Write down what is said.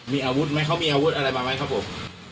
มีอาวุธไหมเขามีอาวุธอะไรมาไหมครับผม